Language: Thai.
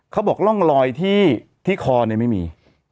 เขาบอกร่องรอยที่คอเนี่ยไม่มี